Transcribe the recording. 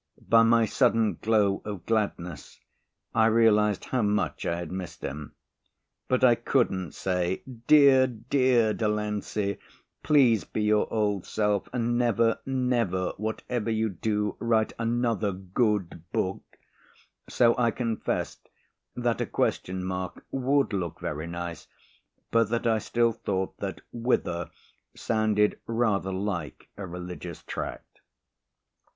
By my sudden glow of gladness I realised how much I had missed him. But I couldn't say, "Dear, dear Delancey, please be your old self and never, never, whatever you do, write another 'good' book," so I confessed that a question mark would look very nice, but that I still thought that "Whither" sounded rather like a religious tract.